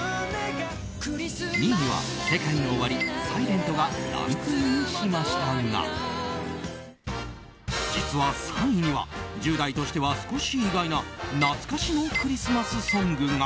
２位にはＳＥＫＡＩＮＯＯＷＡＲＩ「ｓｉｌｅｎｔ」がランクインしましたが実は３位には１０代としては少し意外な懐かしのクリスマスソングが。